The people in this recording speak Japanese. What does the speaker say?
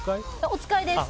お使いです。